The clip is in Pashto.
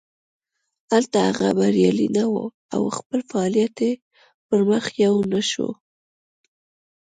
هلته هغه بریالی نه و او خپل فعالیت یې پرمخ یو نه شو.